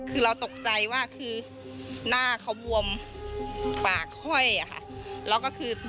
เราตกใจว่าคือหน้าเขาบวมปากแรงคอย